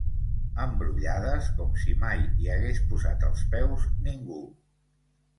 Embrollades, com si mai hi hagués posat els peus ningú.